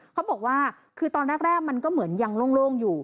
เขาบอกว่าคือตอนแรกมันก็เหมือนยังโล่งอยู่